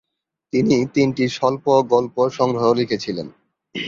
তিনি তিনটি স্বল্প-গল্প সংগ্রহ লিখেছিলেন।